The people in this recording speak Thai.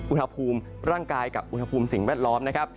อุณหภูมิร่างกายกับอุณหภูมิสิ่งแวดล้อมนะครับ